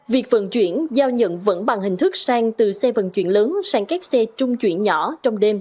việc vận chuyển giao nhận vẫn bằng hình thức sang từ xe vận chuyển lớn sang các xe trung chuyển nhỏ trong đêm